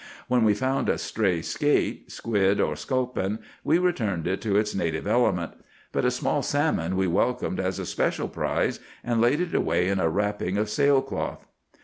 When we found a stray skate, squid, or sculpin, we returned it to its native element; but a small salmon we welcomed as a special prize, and laid it away in a wrapping of sail cloth.